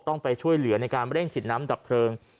ต้องไปช่วยเหลือในการเร่งฉีดน้ำดับเพลิง